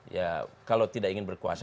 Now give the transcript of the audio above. ya kalau tidak ingin berkuasa